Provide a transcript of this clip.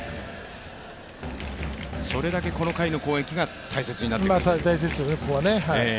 それだけこの回の攻撃が大切になってくると。